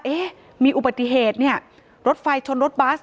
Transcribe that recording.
เอ๊ะมีอุบัติเหตุเนี่ยรถไฟชนรถบัส